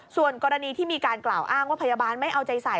ส่วนกรณีที่มีการกล่าวอ้างว่าพยาบาลไม่เอาใจใส่